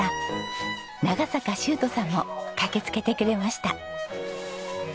長坂嵩斗さんも駆けつけてくれました。